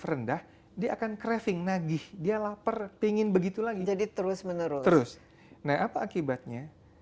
rendah dia akan craving nagih dia lapar pingin begitu lagi jadi terus menerus terus nah apa akibatnya